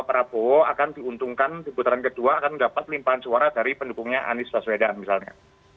pak prabowo akan diuntungkan di putaran kedua akan mendapat limpahan suara dari pendukungnya anies baswedan misalnya